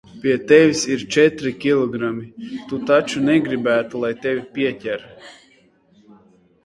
Pie tevis ir četri kilogrami, tu taču negribētu, lai tevi pieķer?